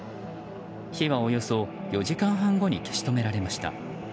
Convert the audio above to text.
火は、およそ４時間半後に消し止められました。